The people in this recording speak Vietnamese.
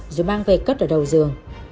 rồi mang về cất ở đầu giường